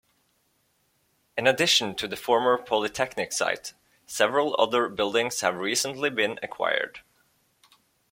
In addition to the former Polytechnic site, several other buildings have recently been acquired.